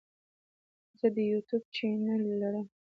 زه د یوټیوب چینل لرم.